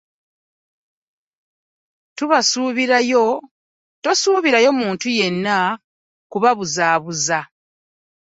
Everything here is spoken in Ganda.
Tebasuubirayo muntu yenna kubabuzaabuza.